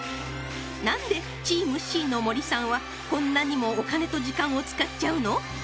なんでチームＣの森さんはこんなにもお金と時間を使っちゃうの？